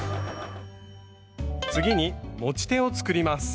次に持ち手を作ります。